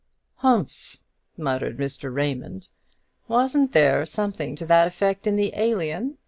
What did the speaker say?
"Humph!" muttered Mr. Raymond; "wasn't there something to that effect in the 'Alien?'